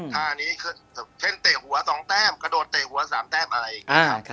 ท่านี้เช่นเตะหัว๒แต้มกระโดดเตะหัว๓แต้มอะไรอีก